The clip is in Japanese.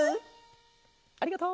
ありがとう！